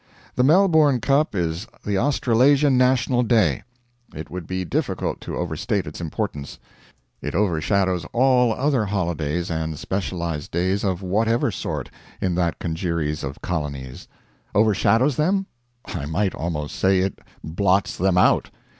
The Melbourne Cup is the Australasian National Day. It would be difficult to overstate its importance. It overshadows all other holidays and specialized days of whatever sort in that congeries of colonies. Overshadows them? I might almost say it blots them out.